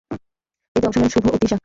এতে অংশ নেন শুভ ও তিশা।